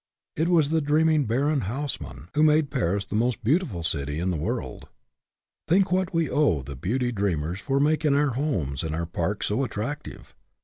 It was the dreaming Baron Haussmann who made Paris the most beautiful city in the world. Think what we owe the beauty dreamers for making our homes and our parks so at tractive